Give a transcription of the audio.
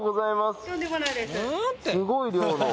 すごい量の。